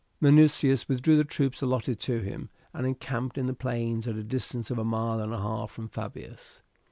Minucius withdrew the troops allotted to him, and encamped in the plains at a distance of a mile and a half from Fabius.